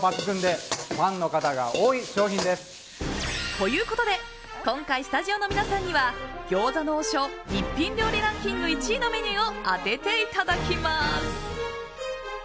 ということで今回スタジオの皆さんには餃子の王将、一品料理ランキング１位のメニューを当てていただきます！